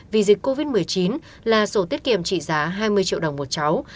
vì dịch covid một mươi chín là sổ tiết kiệm trị giá hai mươi triệu đồng một cháu